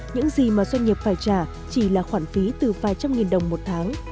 những gì mà doanh nghiệp phải trả chỉ là khoản phí từ vài trăm nghìn đồng một tháng